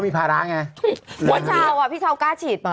พี่เช้ากล้าฉีดป่ะ